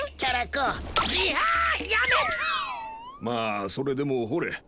まあそれでもほれ